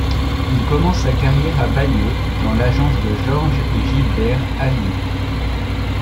Il commence sa carrière à Bayeux, dans l’agence de Georges et Gilbert Hallier.